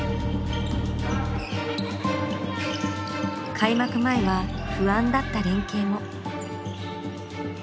開幕前は不安だった連係も。